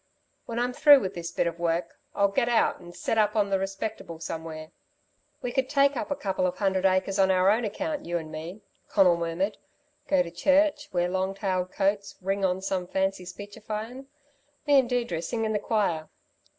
"When I'm through with this bit of work, I'll get out and set up on the respectable somewhere. We could take up a couple of hundred acres on our own account, you and me," Conal murmured; "go to church, wear long tailed coats, ring on some fancy speechifyin'. Me 'n Deirdre'd sing in the choir.